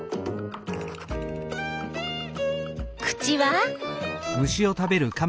口は？